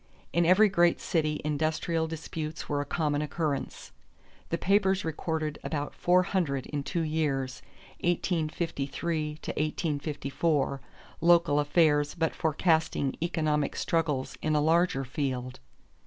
In every great city industrial disputes were a common occurrence. The papers recorded about four hundred in two years, 1853 54, local affairs but forecasting economic struggles in a larger field.